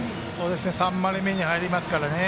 ３回り目に入りますからね。